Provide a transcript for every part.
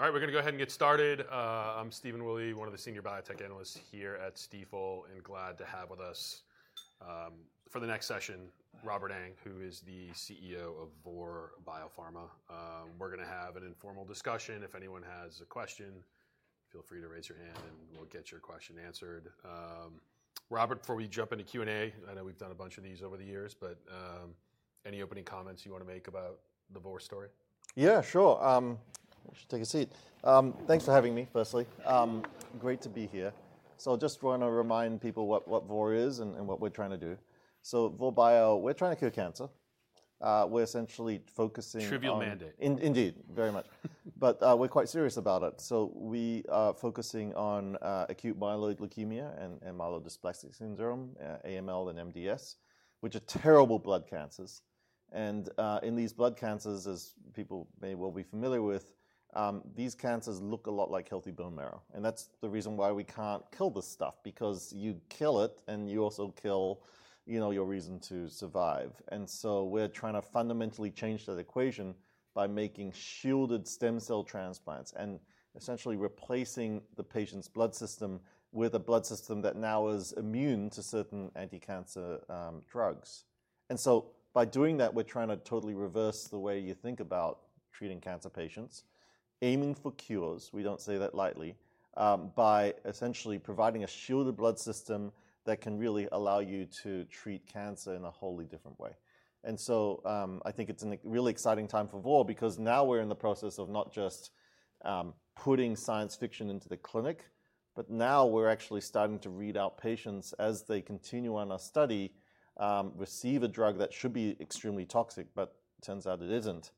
All right we're going to go ahead and get started. I'm Stephen Willey, one of the Senior Biotech Analysts here at Stifel, and glad to have with us for the next session, Robert Ang, who is the CEO of Vor Biopharma. We're going to have an informal discussion. If anyone has a question, feel free to raise your hand, and we'll get your question answered. Robert, before we jump into Q&A, I know we've done a bunch of these over the years, but any opening comments you want to make about the Vor story? Yeah, sure. Take a seat. Thanks for having me, firstly. Great to be here. So I just want to remind people what Vor is and what we're trying to do. So Vor Bio, we're trying to cure cancer. We're essentially focusing on. Trivial mandate. Indeed, very much. But we're quite serious about it. So we are focusing on acute myeloid leukemia and myelodysplastic syndrome, AML and MDS, which are terrible blood cancers. And in these blood cancers, as people may well be familiar with, these cancers look a lot like healthy bone marrow. And that's the reason why we can't kill this stuff, because you kill it, and you also kill your reason to survive. And so we're trying to fundamentally change that equation by making shielded stem cell transplants and essentially replacing the patient's blood system with a blood system that now is immune to certain anti-cancer drugs. And so by doing that, we're trying to totally reverse the way you think about treating cancer patients, aiming for cures, we don't say that lightly, by essentially providing a shielded blood system that can really allow you to treat cancer in a wholly different way. I think it's a really exciting time for Vor, because now we're in the process of not just putting science fiction into the clinic, but now we're actually starting to read out patients as they continue on our study, receive a drug that should be extremely toxic, but turns out it isn't.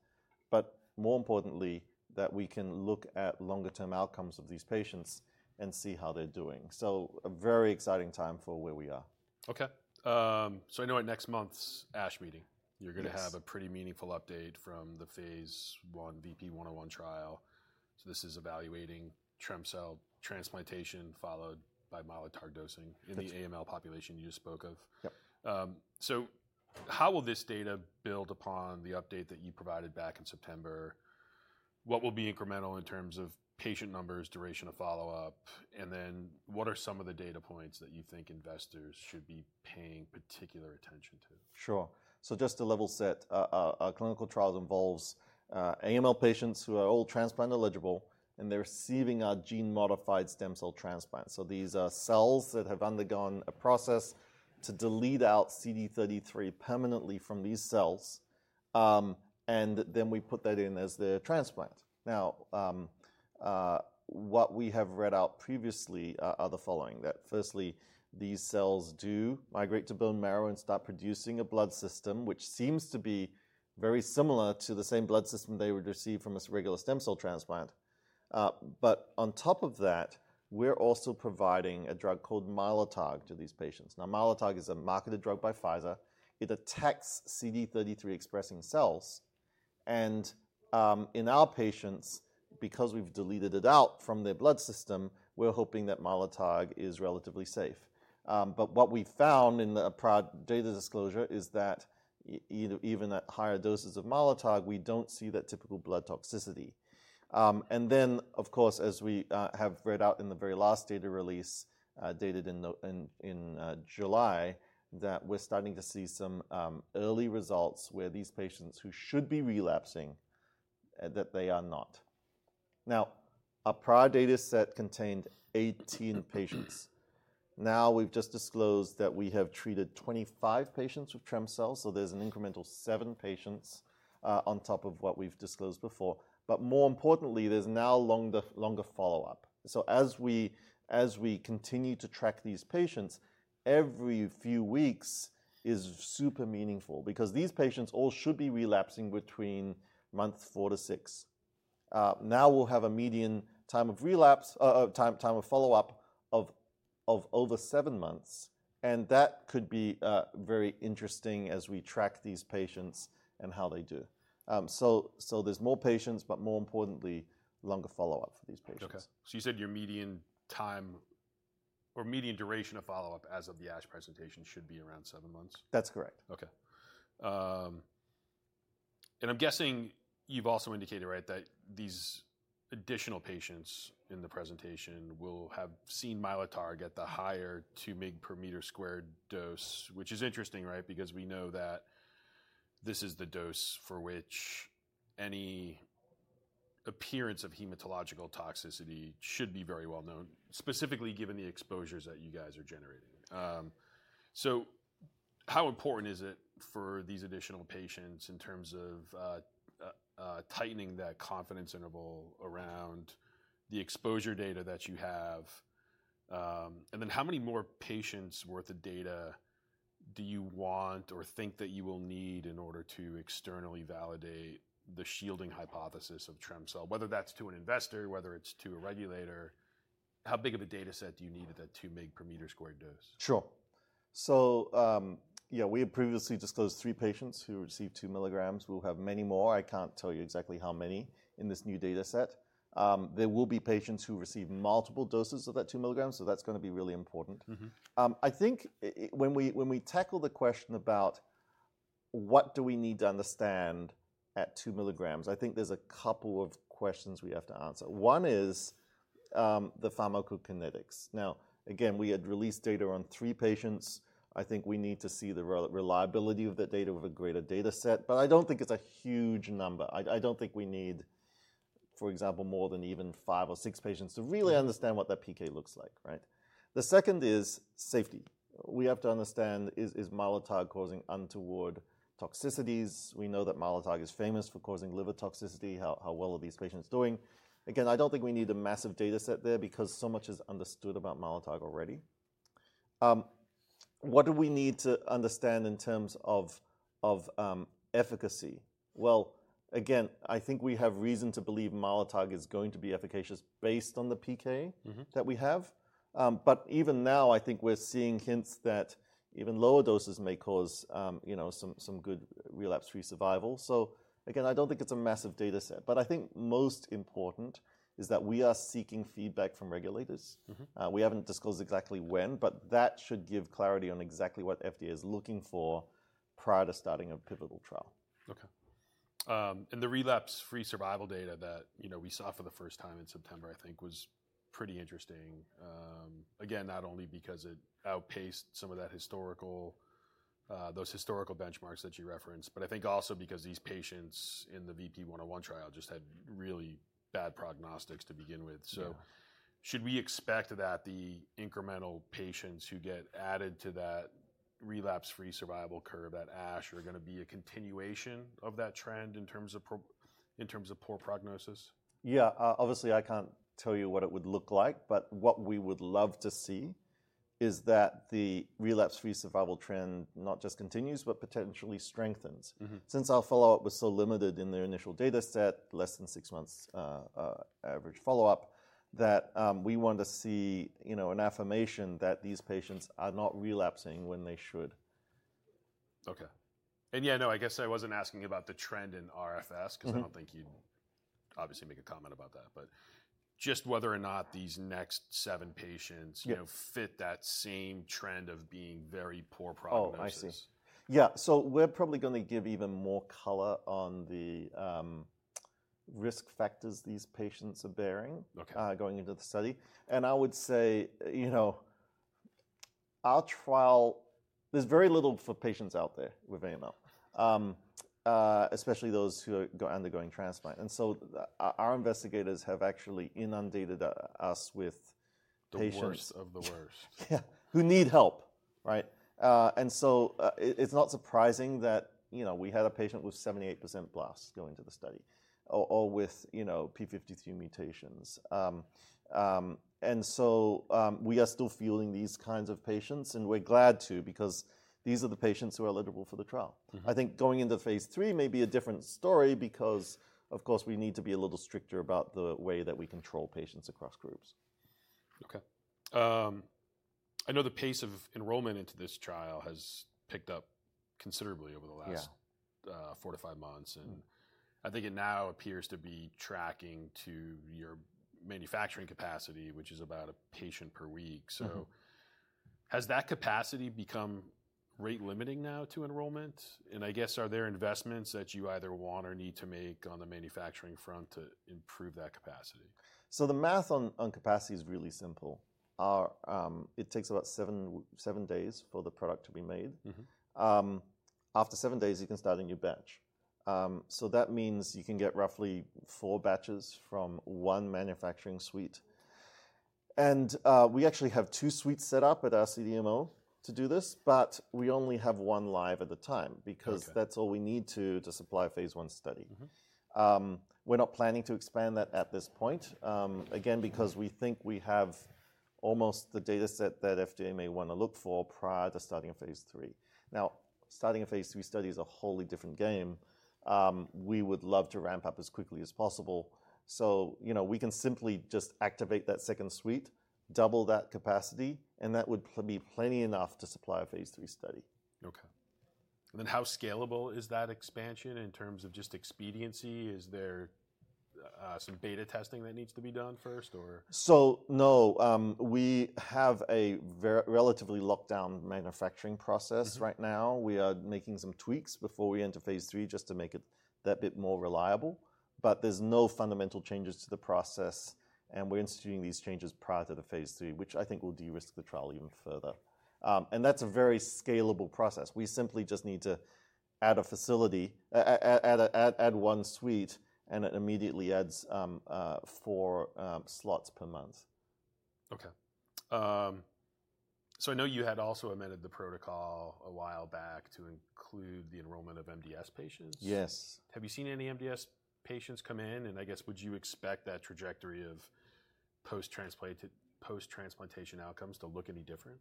But more importantly, that we can look at longer-term outcomes of these patients and see how they're doing. It is a very exciting time for where we are. OK. So I know at next month's ASH meeting, you're going to have a pretty meaningful update from the phase 1/2 VBP101 trial, so this is evaluating trem-cel transplantation, followed by Mylotarg dosing in the AML population you just spoke of, so how will this data build upon the update that you provided back in September? What will be incremental in terms of patient numbers, duration of follow-up, and then what are some of the data points that you think investors should be paying particular attention to? Sure, so just to level set, our clinical trial involves AML patients who are all transplant eligible, and they're receiving our gene-modified stem cell transplants, so these are cells that have undergone a process to delete out CD33 permanently from these cells, and then we put that in as the transplant. Now, what we have read out previously are the following: that firstly, these cells do migrate to bone marrow and start producing a blood system, which seems to be very similar to the same blood system they would receive from a regular stem cell transplant, but on top of that, we're also providing a drug called Mylotarg to these patients. Now, Mylotarg is a marketed drug by Pfizer. It attacks CD33-expressing cells, and in our patients, because we've deleted it out from their blood system, we're hoping that Mylotarg is relatively safe. But what we found in the prior data disclosure is that even at higher doses of Mylotarg, we don't see that typical blood toxicity. And then, of course, as we have read out in the very last data release dated in July, that we're starting to see some early results where these patients who should be relapsing, that they are not. Now, our prior data set contained 18 patients. Now, we've just disclosed that we have treated 25 patients with trem-cel, so there's an incremental seven patients on top of what we've disclosed before. But more importantly, there's now longer follow-up. So as we continue to track these patients, every few weeks is super meaningful, because these patients all should be relapsing between month four to six. Now we'll have a median time of follow-up of over seven months. That could be very interesting as we track these patients and how they do. There's more patients, but more importantly, longer follow-up for these patients. OK. So you said your median time or median duration of follow-up as of the ASH presentation should be around seven months? That's correct. OK. And I'm guessing you've also indicated that these additional patients in the presentation will have seen Mylotarg at the higher 2 mg/m² dose, which is interesting, because we know that this is the dose for which any appearance of hematological toxicity should be very well known, specifically given the exposures that you guys are generating. So how important is it for these additional patients in terms of tightening that confidence interval around the exposure data that you have? And then how many more patients' worth of data do you want or think that you will need in order to externally validate the shielding hypothesis of trem-cel, whether that's to an investor, whether it's to a regulator? How big of a data set do you need at that 2 mg/m² dose? Sure. So yeah, we had previously disclosed three patients who received two mg. We'll have many more. I can't tell you exactly how many in this new data set. There will be patients who receive multiple doses of that two mg, so that's going to be really important. I think when we tackle the question about what do we need to understand at two mg, I think there's a couple of questions we have to answer. One is the pharmacokinetics. Now, again, we had released data on three patients. I think we need to see the reliability of that data with a greater data set. But I don't think it's a huge number. I don't think we need, for example, more than even five or six patients to really understand what that PK looks like. The second is safety. We have to understand, is Mylotarg causing untoward toxicities? We know that Mylotarg is famous for causing liver toxicity. How well are these patients doing? Again, I don't think we need a massive data set there, because so much is understood about Mylotarg already. What do we need to understand in terms of efficacy? Well, again, I think we have reason to believe Mylotarg is going to be efficacious based on the PK that we have. But even now, I think we're seeing hints that even lower doses may cause some good relapse-free survival. So again, I don't think it's a massive data set. But I think most important is that we are seeking feedback from regulators. We haven't disclosed exactly when, but that should give clarity on exactly what FDA is looking for prior to starting a pivotal trial. OK. And the relapse-free survival data that we saw for the first time in September, I think, was pretty interesting. Again, not only because it outpaced some of those historical benchmarks that you referenced, but I think also because these patients in the 1/2 VBP101 trial just had really bad prognostics to begin with. So should we expect that the incremental patients who get added to that relapse-free survival curve, that ASH, are going to be a continuation of that trend in terms of poor prognosis? Yeah. Obviously, I can't tell you what it would look like. But what we would love to see is that the relapse-free survival trend not just continues, but potentially strengthens. Since our follow-up was so limited in their initial data set, less than six months average follow-up, that we want to see an affirmation that these patients are not relapsing when they should. OK, and yeah, no, I guess I wasn't asking about the trend in RFS, because I don't think you'd obviously make a comment about that, but just whether or not these next seven patients fit that same trend of being very poor prognosis. Oh, I see. Yeah. So we're probably going to give even more color on the risk factors these patients are bearing going into the study. And I would say our trial, there's very little for patients out there with AML, especially those who are undergoing transplant. And so our investigators have actually inundated us with patients. The worst of the worst. Yeah, who need help. And so it's not surprising that we had a patient with 78% blast going to the study, or with p53 mutations. And so we are still fielding these kinds of patients. And we're glad to, because these are the patients who are eligible for the trial. I think going into phase three may be a different story, because, of course, we need to be a little stricter about the way that we control patients across groups. OK. I know the pace of enrollment into this trial has picked up considerably over the last four to five months. And I think it now appears to be tracking to your manufacturing capacity, which is about a patient per week. So has that capacity become rate limiting now to enrollment? And I guess, are there investments that you either want or need to make on the manufacturing front to improve that capacity? So the math on capacity is really simple. It takes about seven days for the product to be made. After seven days, you can start a new batch. So that means you can get roughly four batches from one manufacturing suite. And we actually have two suites set up at our CDMO to do this. But we only have one live at the time, because that's all we need to supply a phase I study. We're not planning to expand that at this point, again, because we think we have almost the data set that FDA may want to look for prior to starting phase III. Now, starting a phase III study is a wholly different game. We would love to ramp up as quickly as possible. So we can simply just activate that second suite, double that capacity, and that would be plenty enough to supply a phase III study. OK. And then how scalable is that expansion in terms of just expediency? Is there some beta testing that needs to be done first, or? No. We have a relatively locked-down manufacturing process right now. We are making some tweaks before we enter phase III just to make it that bit more reliable. But there's no fundamental changes to the process. And we're instituting these changes prior to the phase III, which I think will de-risk the trial even further. And that's a very scalable process. We simply just need to add a facility, add one suite, and it immediately adds four slots per month. OK. So I know you had also amended the protocol a while back to include the enrollment of MDS patients. Yes. Have you seen any MDS patients come in? And I guess, would you expect that trajectory of post-transplantation outcomes to look any different?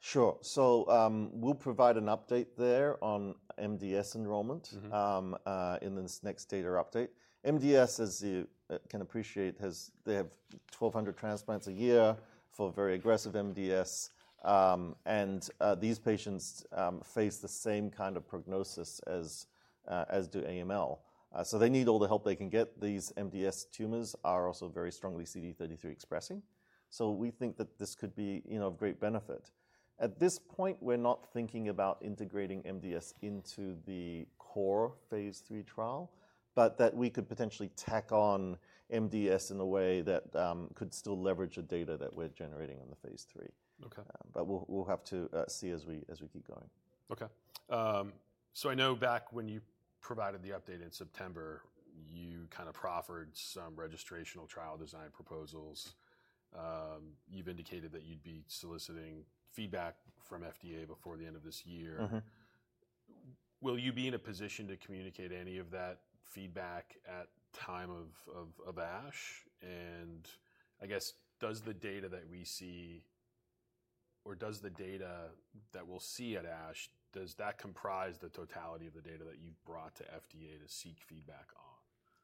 Sure. So we'll provide an update there on MDS enrollment in this next data update. MDS, as you can appreciate, they have 1,200 transplants a year for very aggressive MDS. And these patients face the same kind of prognosis as do AML. So they need all the help they can get. These MDS tumors are also very strongly CD33-expressing. So we think that this could be of great benefit. At this point, we're not thinking about integrating MDS into the core phase III trial, but that we could potentially tack on MDS in a way that could still leverage the data that we're generating in the phase III. But we'll have to see as we keep going. OK, so I know back when you provided the update in September, you kind of proffered some registrational trial design proposals. You've indicated that you'd be soliciting feedback from FDA before the end of this year. Will you be in a position to communicate any of that feedback at time of ASH? And I guess, does the data that we see, or does the data that we'll see at ASH, does that comprise the totality of the data that you've brought to FDA to seek feedback on?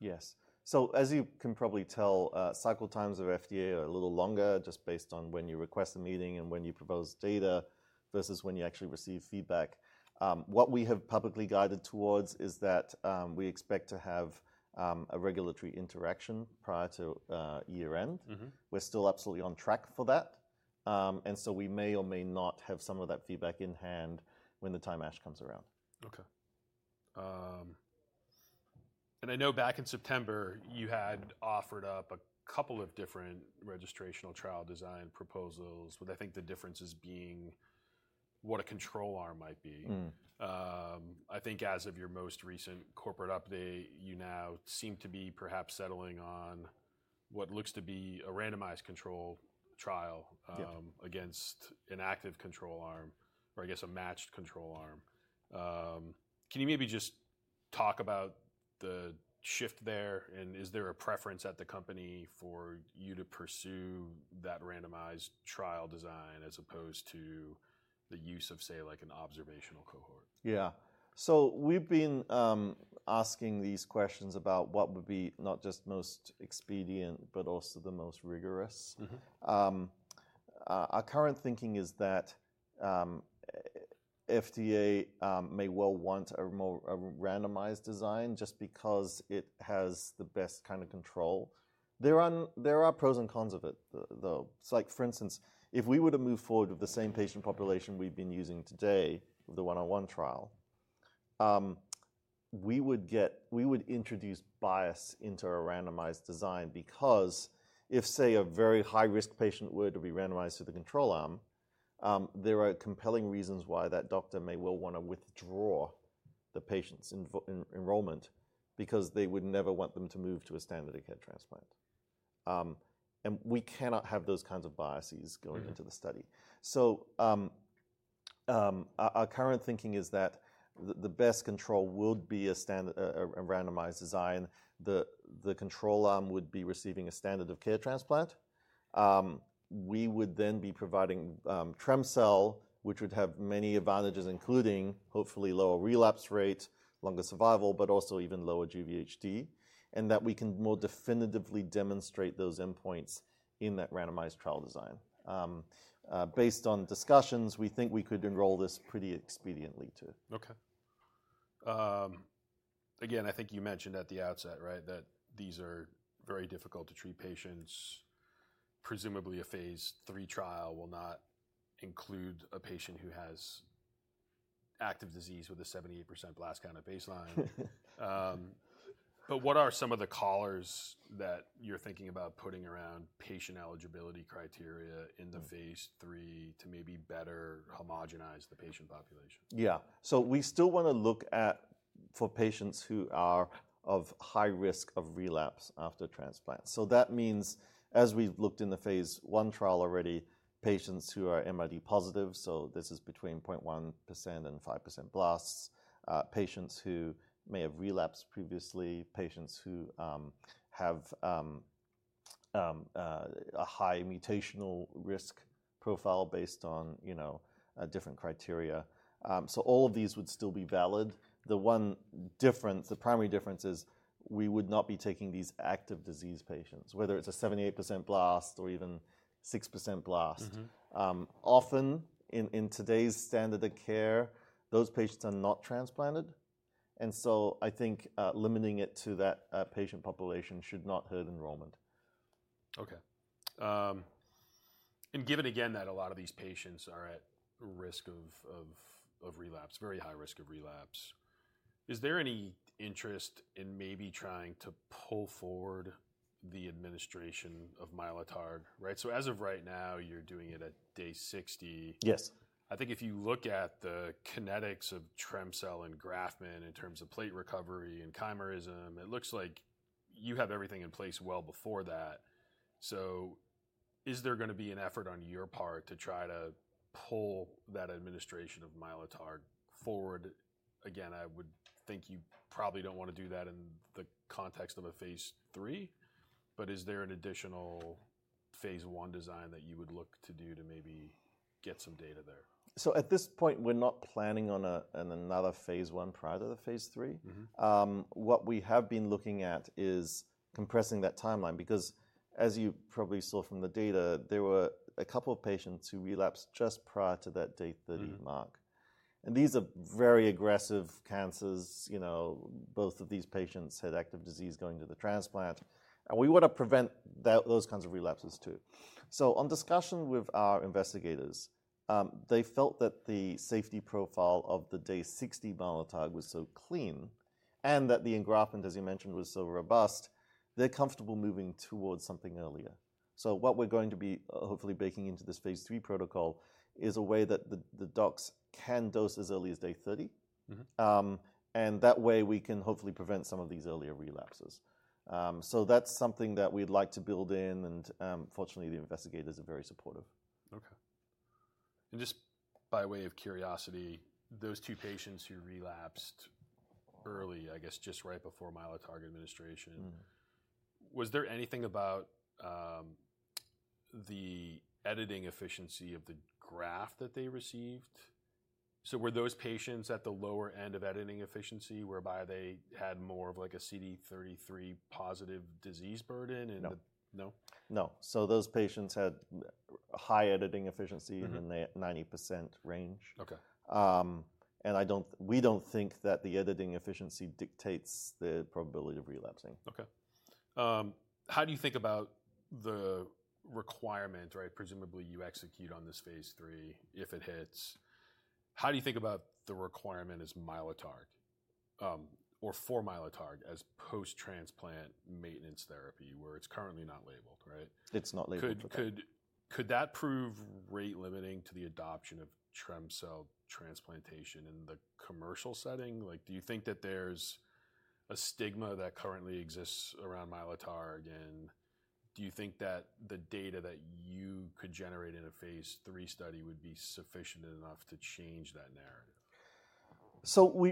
Yes, so as you can probably tell, cycle times of FDA are a little longer, just based on when you request a meeting and when you propose data versus when you actually receive feedback. What we have publicly guided towards is that we expect to have a regulatory interaction prior to year-end. We're still absolutely on track for that, and so we may or may not have some of that feedback in hand when the time ASH comes around. OK. And I know back in September, you had offered up a couple of different registrational trial design proposals, with I think the differences being what a control arm might be. I think as of your most recent corporate update, you now seem to be perhaps settling on what looks to be a randomized control trial against an active control arm, or I guess a matched control arm. Can you maybe just talk about the shift there? And is there a preference at the company for you to pursue that randomized trial design as opposed to the use of, say, like an observational cohort? Yeah. So we've been asking these questions about what would be not just most expedient, but also the most rigorous. Our current thinking is that FDA may well want a randomized design just because it has the best kind of control. There are pros and cons of it, though. It's like, for instance, if we were to move forward with the same patient population we've been using today with the 101 trial, we would introduce bias into a randomized design. Because if, say, a very high-risk patient were to be randomized to the control arm, there are compelling reasons why that doctor may well want to withdraw the patient's enrollment, because they would never want them to move to a standard of care transplant. And we cannot have those kinds of biases going into the study. So our current thinking is that the best control would be a randomized design. The control arm would be receiving a standard of care transplant. We would then be providing trem-cel, which would have many advantages, including hopefully lower relapse rate, longer survival, but also even lower GVHD, and that we can more definitively demonstrate those endpoints in that randomized trial design. Based on discussions, we think we could enroll this pretty expediently too. OK. Again, I think you mentioned at the outset that these are very difficult to treat patients. Presumably, a phase III trial will not include a patient who has active disease with a 78% blast count at baseline. But what are some of the collars that you're thinking about putting around patient eligibility criteria in the phase III to maybe better homogenize the patient population? Yeah. So we still want to look at for patients who are of high risk of relapse after transplant. So that means, as we've looked in the phase I trial already, patients who are MRD positive, so this is between 0.1% and 5% blasts, patients who may have relapsed previously, patients who have a high mutational risk profile based on different criteria. So all of these would still be valid. The primary difference is we would not be taking these active disease patients, whether it's a 78% blast or even 6% blast. Often, in today's standard of care, those patients are not transplanted. And so I think limiting it to that patient population should not hurt enrollment. OK. And given again that a lot of these patients are at risk of relapse, very high risk of relapse, is there any interest in maybe trying to pull forward the administration of Mylotarg? So as of right now, you're doing it at day 60. Yes. I think if you look at the kinetics of trem-cel and engraftment in terms of platelet recovery and chimerism, it looks like you have everything in place well before that. So is there going to be an effort on your part to try to pull that administration of Mylotarg forward? Again, I would think you probably don't want to do that in the context of a phase III. But is there an additional phase I design that you would look to do to maybe get some data there? So at this point, we're not planning on another phase I prior to the phase III. What we have been looking at is compressing that timeline. Because as you probably saw from the data, there were a couple of patients who relapsed just prior to that day 30 mark. And these are very aggressive cancers. Both of these patients had active disease going to the transplant. And we want to prevent those kinds of relapses too. So on discussion with our investigators, they felt that the safety profile of the day 60 Mylotarg was so clean and that the engraftment, as you mentioned, was so robust, they're comfortable moving towards something earlier. So what we're going to be hopefully baking into this phase III protocol is a way that the docs can dose as early as day 30. And that way, we can hopefully prevent some of these earlier relapses. So that's something that we'd like to build in. And fortunately, the investigators are very supportive. OK. And just by way of curiosity, those two patients who relapsed early, I guess just right before Mylotarg administration, was there anything about the editing efficiency of the graft that they received? So were those patients at the lower end of editing efficiency, whereby they had more of like a CD33 positive disease burden? No. No? No. So those patients had high editing efficiency in the 90% range. And we don't think that the editing efficiency dictates the probability of relapsing. OK. How do you think about the requirement, presumably you execute on this phase III if it hits? How do you think about the requirement as Mylotarg or for Mylotarg as post-transplant maintenance therapy, where it's currently not labeled? It's not labeled. Could that prove rate-limiting to the adoption of trem-cel transplantation in the commercial setting? Do you think that there's a stigma that currently exists around Mylotarg? And do you think that the data that you could generate in a phase III study would be sufficient enough to change that narrative?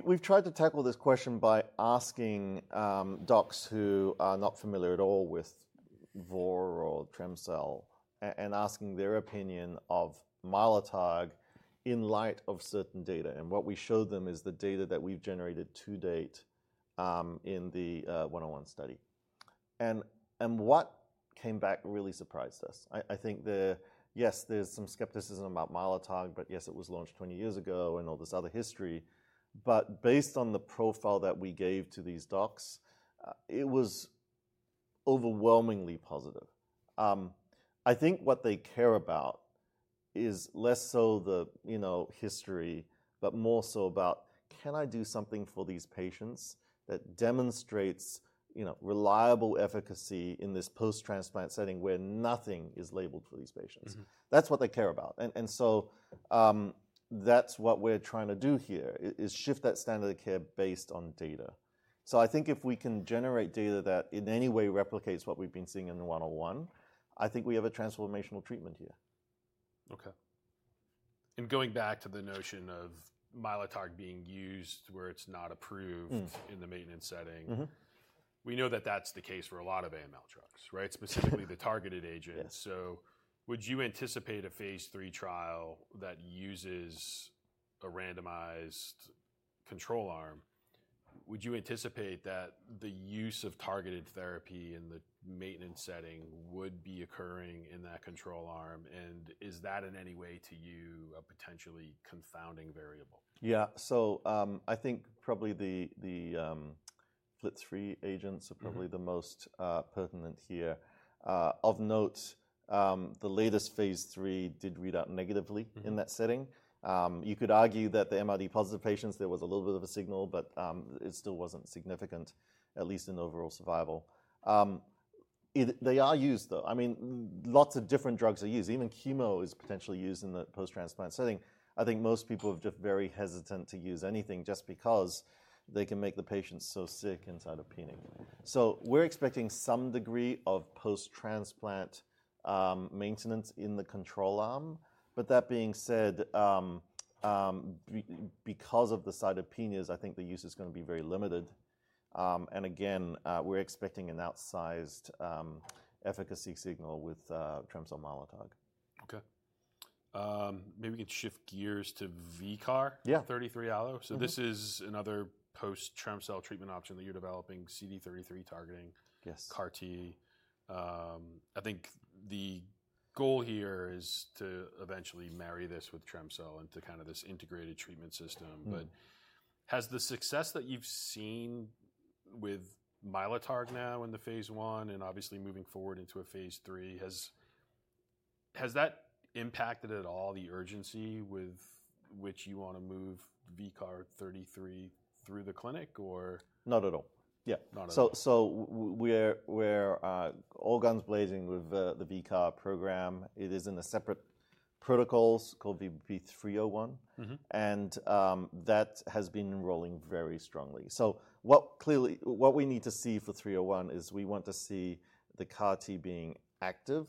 We've tried to tackle this question by asking docs who are not familiar at all with Vor or trem-cel and asking their opinion of Mylotarg in light of certain data. What we showed them is the data that we've generated to date in the 101 study. What came back really surprised us. I think, yes, there's some skepticism about Mylotarg, but yes, it was launched 20 years ago and all this other history. Based on the profile that we gave to these docs, it was overwhelmingly positive. I think what they care about is less so the history, but more so about, can I do something for these patients that demonstrates reliable efficacy in this post-transplant setting where nothing is labeled for these patients? That's what they care about. And so that's what we're trying to do here, is shift that standard of care based on data. So I think if we can generate data that in any way replicates what we've been seeing in the 101, I think we have a transformational treatment here. OK, and going back to the notion of Mylotarg being used where it's not approved in the maintenance setting, we know that that's the case for a lot of AML drugs, specifically the targeted agents. So would you anticipate a phase III trial that uses a randomized control arm? Would you anticipate that the use of targeted therapy in the maintenance setting would be occurring in that control arm? And is that in any way to you a potentially confounding variable? Yeah, so I think probably the FLT3 agents are probably the most pertinent here. Of note, the latest phase III did read out negatively in that setting. You could argue that the MRD positive patients, there was a little bit of a signal, but it still wasn't significant, at least in overall survival. They are used, though. I mean, lots of different drugs are used. Even chemo is potentially used in the post-transplant setting. I think most people are just very hesitant to use anything just because they can make the patients so sick and cytopenic. So we're expecting some degree of post-transplant maintenance in the control arm, but that being said, because of the cytopenias, I think the use is going to be very limited, and again, we're expecting an outsized efficacy signal trem-cel mylotarg. OK. Maybe we can shift gears to VCAR33 (ALLO), so this is another post-trem-cel treatment option that you're developing, CD33 targeting, CAR-T. I think the goal here is to eventually marry this trem-cel into kind of this integrated treatment system, but has the success that you've seen with Mylotarg now in the phase I and obviously moving forward into a phase III, has that impacted at all the urgency with which you want to move VCAR33 through the clinic? Not at all. Yeah, so we're all guns blazing with the VCAR program. It is in a separate protocol called VBP301, and that has been rolling very strongly, so what we need to see for 301 is we want to see the CAR-T being active,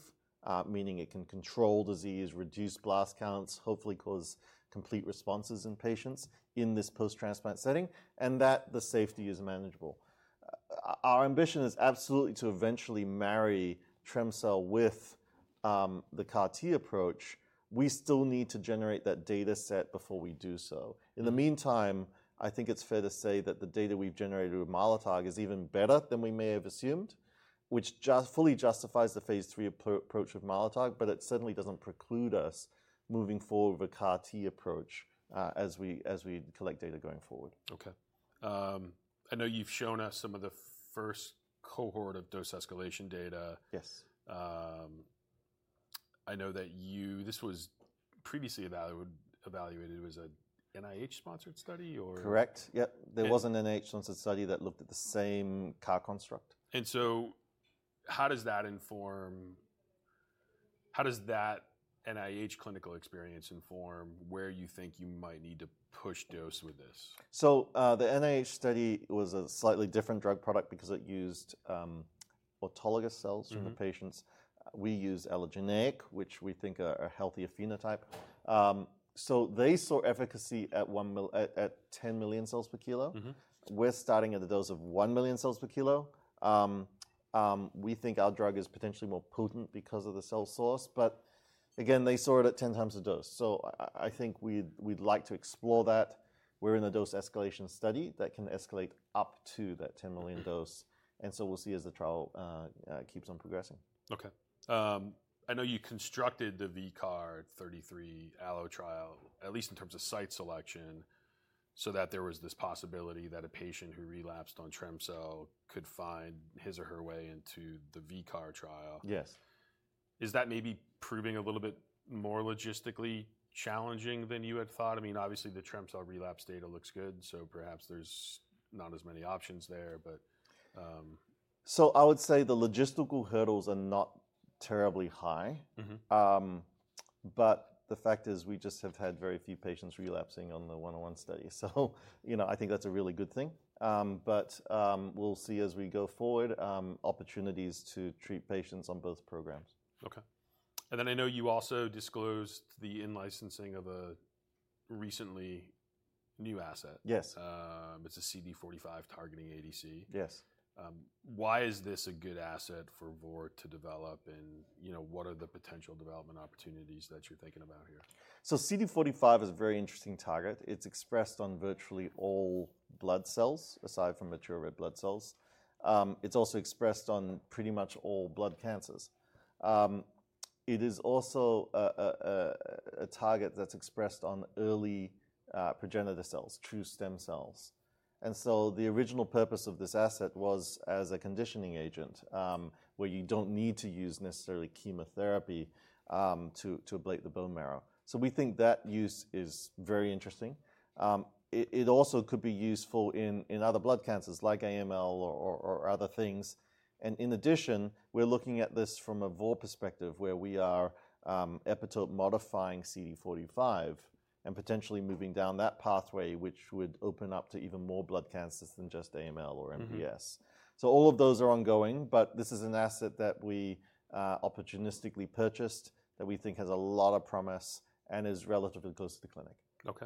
meaning it can control disease, reduce blast counts, hopefully cause complete responses in patients in this post-transplant setting, and that the safety is manageable. Our ambition is absolutely to eventually marry trem-cel with the CAR-T approach. We still need to generate that data set before we do so. In the meantime, I think it's fair to say that the data we've generated with Mylotarg is even better than we may have assumed, which fully justifies the phase III approach of Mylotarg, but it certainly doesn't preclude us moving forward with a CAR-T approach as we collect data going forward. OK. I know you've shown us some of the first cohort of dose escalation data. Yes. I know that this was previously evaluated as an NIH-sponsored study, or? Correct. Yeah. There was an NIH-sponsored study that looked at the same CAR-T construct. And so how does that NIH clinical experience inform where you think you might need to push dose with this? The NIH study was a slightly different drug product because it used autologous cells from the patients. We used allogeneic, which we think are a healthier phenotype. They saw efficacy at 10 million cells per kilo. We're starting at the dose of one million cells per kilo. We think our drug is potentially more potent because of the cell source. Again, they saw it at 10 times the dose. I think we'd like to explore that. We're in a dose escalation study that can escalate up to that 10 million dose. We'll see as the trial keeps on progressing. OK. I know you constructed the VCAR33 (ALLO) trial, at least in terms of site selection, so that there was this possibility that a patient who relapsed trem-cel could find his or her way into the VCAR trial. Yes. Is that maybe proving a little bit more logistically challenging than you had thought? I mean, obviously, the trem-cel relapse data looks good. So perhaps there's not as many options there, but. So I would say the logistical hurdles are not terribly high. But the fact is we just have had very few patients relapsing on the 101 study. So I think that's a really good thing. But we'll see as we go forward opportunities to treat patients on both programs. OK, and then I know you also disclosed the in-licensing of a recently new asset. Yes. It's a CD45 targeting ADC. Yes. Why is this a good asset for Vor to develop? And what are the potential development opportunities that you're thinking about here? CD45 is a very interesting target. It's expressed on virtually all blood cells aside from mature red blood cells. It's also expressed on pretty much all blood cancers. It is also a target that's expressed on early progenitor cells, true stem cells. The original purpose of this asset was as a conditioning agent where you don't need to use necessarily chemotherapy to ablate the bone marrow. We think that use is very interesting. It also could be useful in other blood cancers like AML or other things. In addition, we're looking at this from a Vor perspective where we are epitope-modifying CD45 and potentially moving down that pathway, which would open up to even more blood cancers than just AML or MDS. All of those are ongoing. But this is an asset that we opportunistically purchased that we think has a lot of promise and is relatively close to the clinic. OK.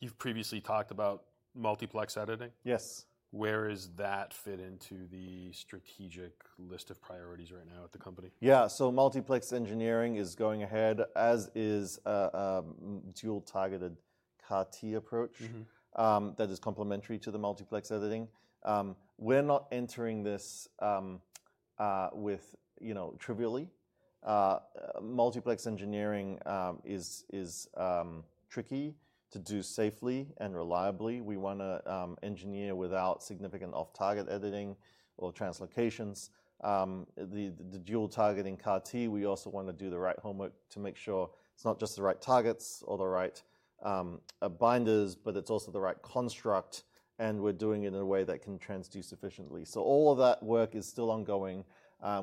You've previously talked about multiplex editing. Yes. Where does that fit into the strategic list of priorities right now at the company? Yeah. So multiplex engineering is going ahead, as is a dual-targeted CAR-T approach that is complementary to the multiplex editing. We're not entering this trivially. Multiplex engineering is tricky to do safely and reliably. We want to engineer without significant off-target editing or translocations. The dual-targeting CAR-T, we also want to do the right homework to make sure it's not just the right targets or the right binders, but it's also the right construct. And we're doing it in a way that can transduce efficiently. So all of that work is still ongoing.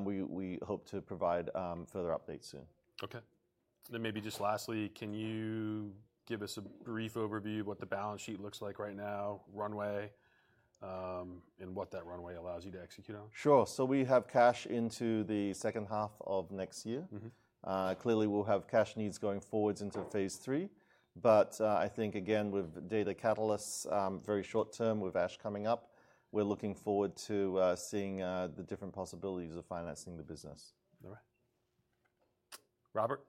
We hope to provide further updates soon. OK, then maybe just lastly, can you give us a brief overview of what the balance sheet looks like right now, runway, and what that runway allows you to execute on? Sure. So we have cash into the second half of next year. Clearly, we'll have cash needs going forwards into phase III. But I think, again, with data catalysts very short term, with ASH coming up, we're looking forward to seeing the different possibilities of financing the business. All right. Robert,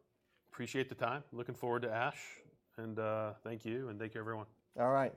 appreciate the time. Looking forward to ASH. And thank you. And take care, everyone. All right.